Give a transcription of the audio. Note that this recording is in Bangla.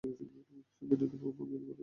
সে বিনীত ভঙ্গিতে বলল, একটু দেরি হল স্যার।